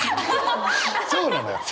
そうなのよ。